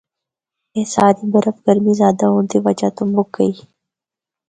اے ساری برف گرمی زیادہ ہونڑا دی وجہ تو مُک گئی۔